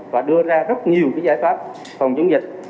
và đưa ra rất nhiều giải pháp phòng chống dịch